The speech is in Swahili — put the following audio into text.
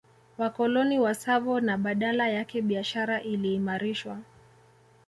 Wakoloni wa Tsavo na badala yake biashara iliimarishwa